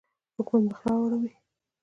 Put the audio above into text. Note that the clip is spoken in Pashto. حکومت مخ را اړوي.